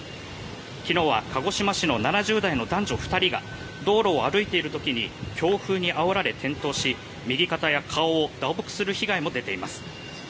昨日は鹿児島市の７０代の男女２人が道路を歩いている時に強風にあおられ転倒し右肩や顔を打撲する被害も出ています。